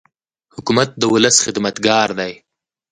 حکومت د ولس خدمتګار دی.